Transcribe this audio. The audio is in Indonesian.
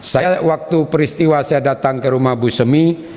saya waktu peristiwa saya datang ke rumah bu semi